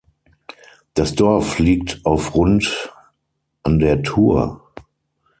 Das Dorf liegt auf rund an der Thur.